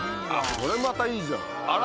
これまたいいじゃん。